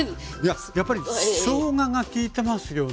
やっぱりしょうががきいてますよね。